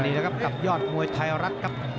นี่นะครับกับยอดมวยไทยรัฐครับ